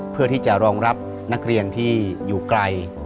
เพื่อที่จะรองรับนักเรียนที่อยู่ไกล